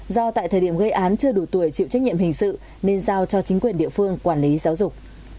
do tại thời điểm gây án chưa đủ tuổi chịu trách nhiệm hình sự nên giao cho chính quyền địa phương quản lý giáo dục